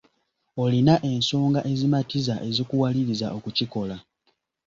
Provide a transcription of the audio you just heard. Olina ensonga ezimatiza ezikuwaliriza okukikola.